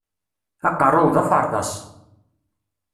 Aqeṛṛu-w d aferḍas!